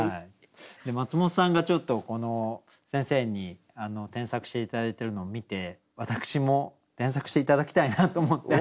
マツモトさんがちょっと先生に添削して頂いてるのを見て私も添削して頂きたいなと思って。